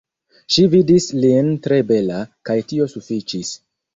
Ŝi vidis lin tre bela, kaj tio sufiĉis.